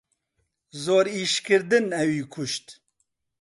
زۆر ئیشکردن ئەوی کوشت.